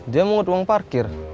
dia mau ngut uang parkir